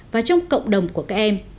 và trong cộng đồng của các em